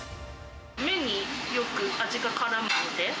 麺に、よく味がからむので。